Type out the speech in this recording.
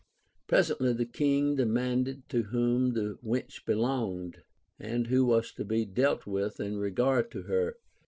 Presently the King demanded to whom the wench belonged, and who was to be dealt Λvith in regard to her.